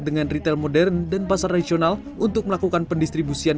dengan retail modern dan pasar nasional untuk melakukan pendistribusian